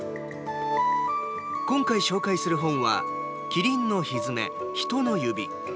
今回紹介する本は「キリンのひづめ、ヒトの指」。